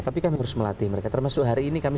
tapi kami harus melatih mereka termasuk hari ini kami